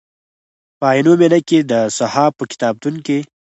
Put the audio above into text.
په عینومېنه کې د صحاف په کتابتون کې.